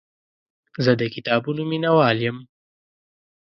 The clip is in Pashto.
زه د کتابونو مینهوال یم.